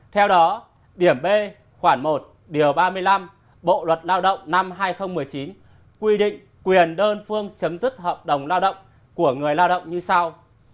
theo đó điểm b khoảng một điều ba mươi năm bộ luật lao động năm hai nghìn một mươi chín quy định quyền đơn phương chấm dứt hợp đồng lao động của người lao động như sau